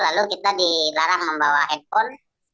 lalu kita dilarang membawa handphone